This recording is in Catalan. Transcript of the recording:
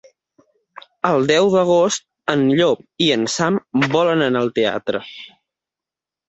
El deu d'agost en Llop i en Sam volen anar al teatre.